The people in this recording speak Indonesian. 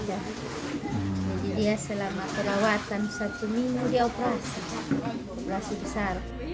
jadi dia selama perawatan satu minggu dioperasi operasi besar